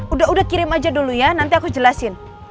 udah udah kirim aja dulu ya nanti aku jelasin